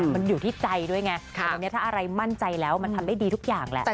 มันอยู่ที่ใจด้วยไงแต่ตอนนี้ถ้าอะไรมั่นใจแล้วมันทำได้ดีทุกอย่างแหละ